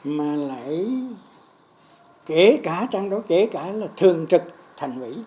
phải kể cả trang đấu kể cả là thường trực thành ủy